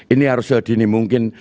ini harus sedini mungkin